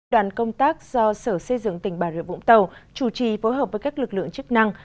đoàn công tác do sở xây dựng tỉnh bà rịa vũng tàu chủ trì phối hợp với các lực lượng chức năng